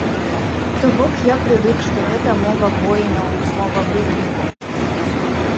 То бок, я прывык, што гэта мова воінаў, мова выкліку.